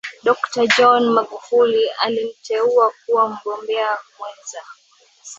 Dokta John Magufuli alimteua kuwa mgombea mwenza